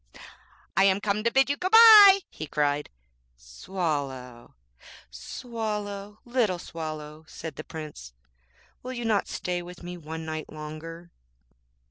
'I am come to bid you good bye,' he cried. 'Swallow, Swallow, little Swallow,' said the Prince,'will you not stay with me one night longer?'